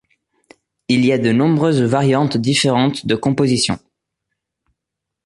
Il y a de nombreuses variantes différentes de composition.